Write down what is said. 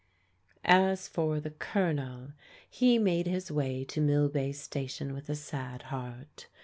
As for the Colonel, he made his way to Millbay Sta tion with a sad heart.